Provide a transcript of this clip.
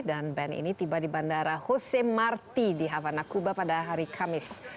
dan band ini tiba di bandara jose marti di havana kuba pada hari kamis